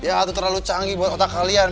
ya itu terlalu canggih buat otak kalian